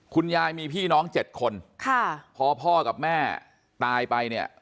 คุณยายมีพี่น้องเจ็ดคนค่ะพอพ่อกับแม่ตายไปเนี่ย